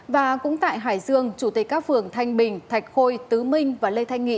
và cũng tại hải dương chủ tịch các phường thanh bình thạch khôi tứ minh và lê thanh nghị